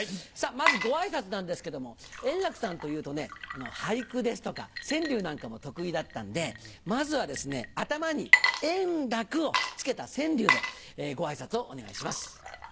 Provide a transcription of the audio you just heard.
まずごあいさつなんですけれども、円楽さんというとね、俳句ですとか川柳なんかも得意だったんで、まずはですね、頭に円楽を付けた川柳でごあいさつをお願いします。